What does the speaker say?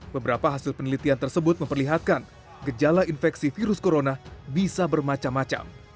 beberapa hasil penelitian tersebut memperlihatkan gejala infeksi virus corona bisa bermacam macam